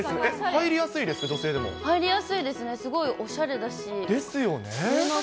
入りやすいですね、すごいおしゃれだし。ですよね。